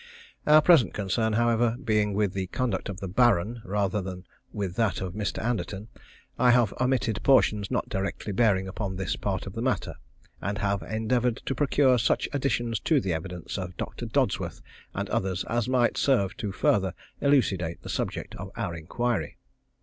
Our present concern, however, being with the conduct of the Baron rather than with that of Mr. Anderton, I have omitted portions not directly bearing upon this part in the matter, and have endeavoured to procure such additions to the evidence of Doctor Dodsworth and others as might serve to further elucidate the subject of our inquiry.